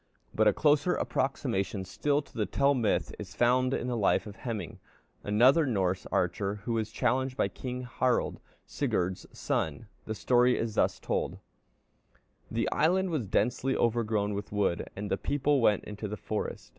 But a closer approximation still to the Tell myth is found in the life of Hemingr, another Norse archer, who was challenged by King Harald, Sigurd's son (d. 1066). The story is thus told: "The island was densely overgrown with wood, and the people went into the forest.